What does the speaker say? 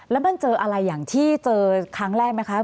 แล้วมันเจออะไรอย่างที่เจอครั้งแรกไหมคะ